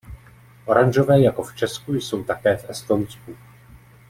Oranžové jako v Česku jsou také v Estonsku.